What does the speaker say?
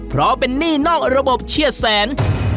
เพราะเป็นหนี้นอกระบบเชื่อแสน